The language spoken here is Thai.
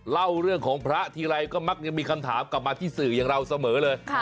เล่าเรื่องของพระทีไรก็มักยังมีคำถามกลับมาที่สื่ออย่างเราเสมอเลย